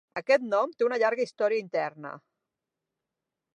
Aquest nom té una llarga història interna.